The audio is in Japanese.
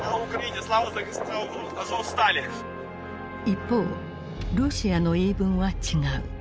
一方ロシアの言い分は違う。